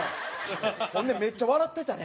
ほんでめっちゃ笑ってたね。